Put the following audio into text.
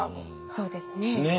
そうですね。